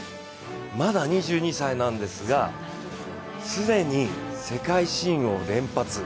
まだ２２歳なんですが既に世界新を連発。